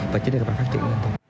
và chính là phải phát triển